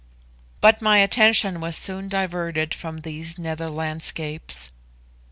But my attention was soon diverted from these nether landscapes.